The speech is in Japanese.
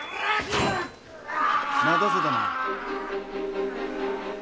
「待たせたな」。